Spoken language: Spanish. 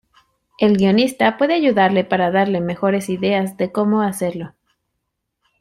El guionista puede ayudarle para darle mejores ideas de como hacerlo.